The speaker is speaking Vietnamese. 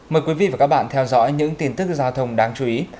mời quý vị và các bạn theo dõi những tin tức giao thông đáng chú ý